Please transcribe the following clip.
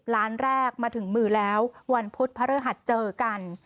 ล้านแรกมาถึงมือแล้ววันพุธพระฤหัสเจอกัน